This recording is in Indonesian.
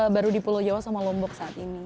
baru di pulau jawa sama lombok saat ini